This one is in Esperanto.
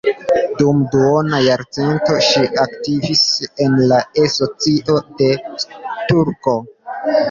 Dum duona jarcento ŝi aktivis en la E-Societo de Turku.